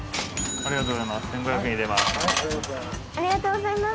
ありがとうございます。